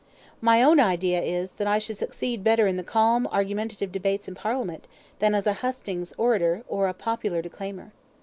My own idea is, that I should succeed better in the calm argumentative debates in Parliament, than as a hustings orator, or a popular declaimer."